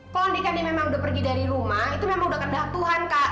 kalau nikah dia memang udah pergi dari rumah itu memang udah kendak tuhan kak